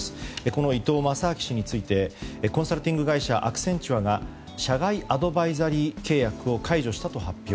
この伊東正明氏についてコンサルティング会社アクセンチュアが社外アドバイザリー契約を解除したと発表。